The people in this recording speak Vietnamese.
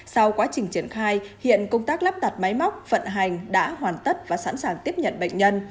sau quá trình triển khai hiện công tác lắp đặt máy móc vận hành đã hoàn tất và sẵn sàng tiếp nhận bệnh nhân